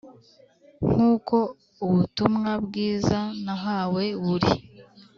nk’uko ubutumwa bwiza nahawe buri.